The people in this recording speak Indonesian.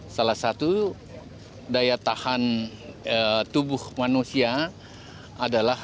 salah satu daya tahan tubuh manusia adalah